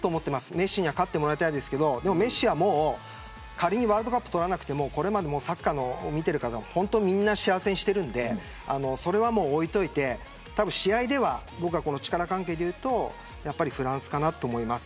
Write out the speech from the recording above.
メッシには勝ってほしいですけどメッシはワールドカップを取らなくてもこれまでサッカーを見てる方を本当に幸せにしているのでそれは置いといてたぶん試合では力関係で言うとフランスだと思います。